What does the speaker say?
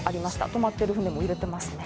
止まってる船も揺れていますね。